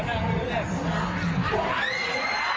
ทหภัทรอีก๕คนเขินประกวดมาหลายที่พวกเรารู้